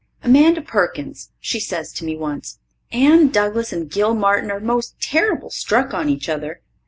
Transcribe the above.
Amanda Perkins, she says to me once, "Anne Douglas and Gil Martin are most terrible struck on each other."